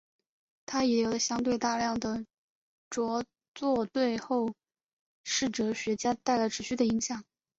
他遗留的相对大量的着作对后世哲学家带来了持续的影响。